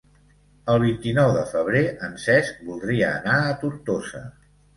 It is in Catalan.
El vint-i-nou de febrer en Cesc voldria anar a Tortosa.